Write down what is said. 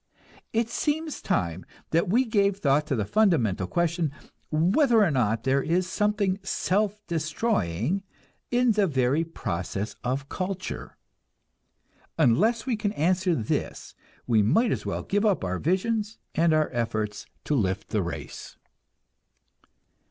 It seems time that we gave thought to the fundamental question, whether or not there is something self destroying in the very process of culture. Unless we can answer this we might as well give up our visions and our efforts to lift the race.